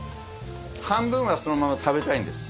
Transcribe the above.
半分はそのまま食べたいんです。